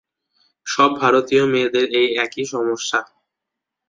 সব ভারতীয় মেয়েদের এই একই সমস্যা।